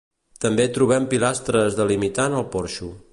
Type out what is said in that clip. També trobem pilastres delimitant el porxo.